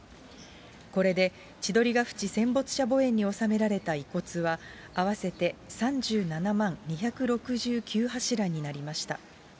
これで千鳥ヶ淵戦没者墓苑に納められた遺骨は、合わせて３７万２６９柱になりました。